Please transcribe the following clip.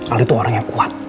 ali itu orang yang kuat